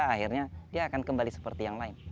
akhirnya dia akan kembali seperti yang lain